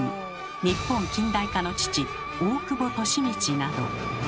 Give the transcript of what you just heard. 日本近代化の父大久保利通など。